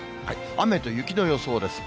雨と雪の予想です。